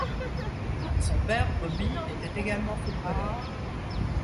Son père, Bobby, était également footballeur.